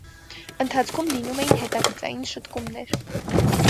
Ընթացքում լինում էին հետագծային շտկումներ։